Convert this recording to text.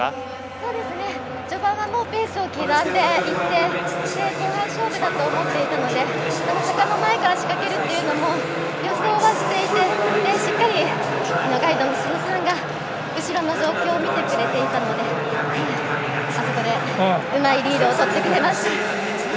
序盤はペースを刻んでいって後半勝負だと思っていたので坂の前から仕掛けるっていうのも予想はしていてしっかりガイドの志田さんが後ろの状況を見てくれていたのであそこでうまいリードをとってくれました。